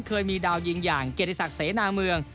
เคยมีดาวยิงอย่างเกียรติศักดิ์เสนาเมือง